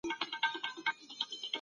پر یو چا تېری کول لویه ګناه ده.